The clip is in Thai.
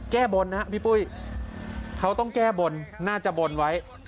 แก้บนนะครับพี่ปุ้ยเขาต้องแก้บนน่าจะบนไว้